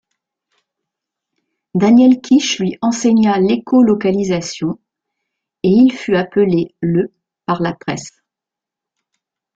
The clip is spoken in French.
Daniel Kish lui enseigna l'écholocalisation, et il fut appelé le par la presse.